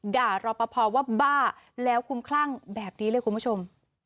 รอปภว่าบ้าแล้วคุ้มคลั่งแบบนี้เลยคุณผู้ชม